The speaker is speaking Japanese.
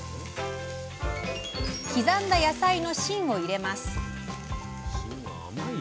刻んだ野菜の芯を入れます。